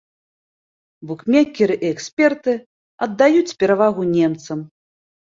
Букмекеры і эксперты аддаюць перавагу немцам.